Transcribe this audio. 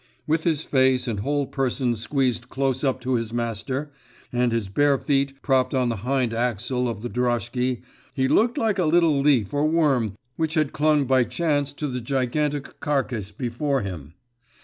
With his face and whole person squeezed close up to his master, and his bare feet propped on the hind axle bar of the droshky, he looked like a little leaf or worm which had clung by chance to the gigantic carcase before him.